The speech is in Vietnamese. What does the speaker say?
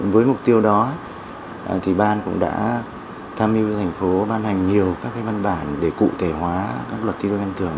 với mục tiêu đó thì ban cũng đã tham mưu thành phố ban hành nhiều các văn bản để cụ thể hóa các luật thi đua khen thường